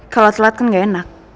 kalau telat kan gak enak